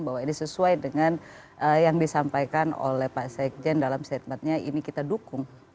bahwa ini sesuai dengan yang disampaikan oleh pak sekjen dalam statementnya ini kita dukung